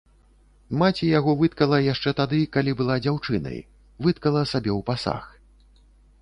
Маці яго выткала яшчэ тады, калі была дзяўчынай, выткала сабе ў пасаг.